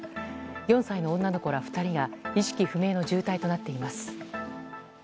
４歳の女の子ら２人が意識不明の重体となっています。